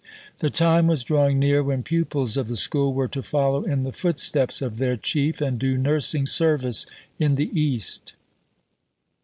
'" The time was drawing near when pupils of the School were to follow in the footsteps of their Chief and do nursing service in the East.